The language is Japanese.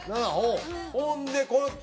ほんでこっち。